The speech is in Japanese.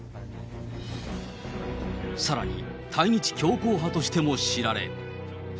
さらに対日強硬派としても知られ。